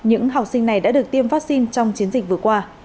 những học sinh này đã được tiêm vaccine trong chiến dịch vừa qua